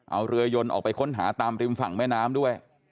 เอาเรือยนออกไปค้นหาตามริมฝั่งแม่น้ำด้วย